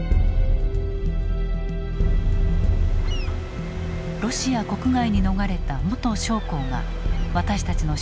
ロシア国外に逃れた元将校が私たちの取材に応じた。